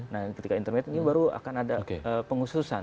nah ketika internet ini baru akan ada pengususan